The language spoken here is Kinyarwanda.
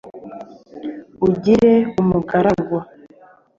ungire umugaragu